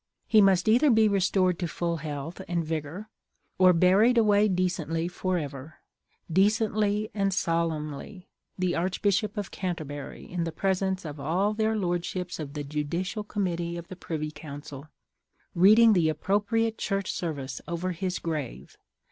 He must either be restored to full health and vigor, or buried away decently for ever; decently and solemnly, the Archbishop of Canterbury, in the presence of all their lordships of the Judicial Committee of the Privy Council, reading the appropriate Church service over his grave.